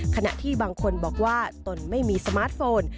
ขณะที่บางคนบอกว่าตนไม่มีสมาร์ทโฟน